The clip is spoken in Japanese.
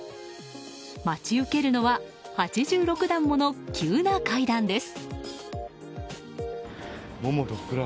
待ち受けるのは８６段もの急な階段です。